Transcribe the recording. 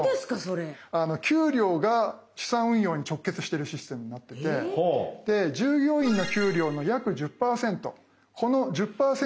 給料が資産運用に直結してるシステムになってて従業員の給料の約１０％この１０％がですね